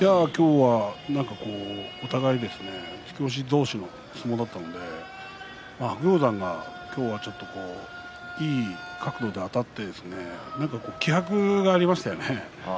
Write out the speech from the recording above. お互い突き押し同士の相撲だったので白鷹山は、今日はいい角度であたって何か気迫がありましたね。